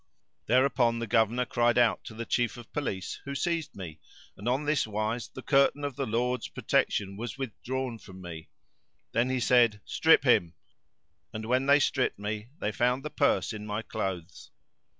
Thereupon the Governor cried out to the Chief of Police who seized me, and on this wise the curtain of the Lord's. protection was withdrawn from me. Then he said "Strip him;" and, when they stripped me, they found the purse in my clothes.